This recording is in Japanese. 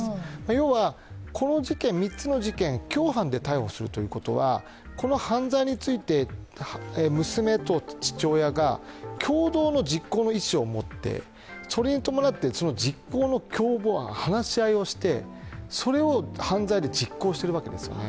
要はこの３つの事件、共犯で逮捕するということはこの犯罪について娘と父親が共同の実行の意思を持って、それに伴って実行の共謀、話し合いをして、それを犯罪で実行しているわけですよね。